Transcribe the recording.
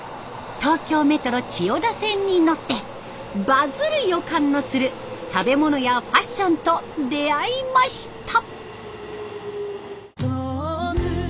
東京メトロ千代田線に乗って「バズる予感」のする食べ物やファッションと出会いました。